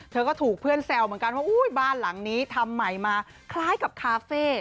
เธอก็ถูกเพื่อนแซวเหมือนกันว่าอุ้ยบ้านหลังนี้ทำใหม่มาคล้ายกับคาเฟ่